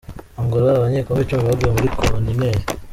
Angola Abanyekongo icumi baguye muri kontineri